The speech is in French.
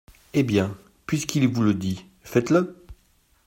Eh bien, puisqu’il vous le dit… faites-le…